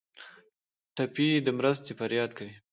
ټپي د مرستې فریاد کوي.